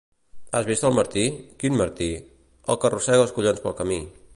—Has vist al Martí? —Quin Martí? —El que arrossega els collons pel camí.